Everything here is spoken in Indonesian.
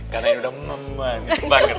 karena ini udah memanis banget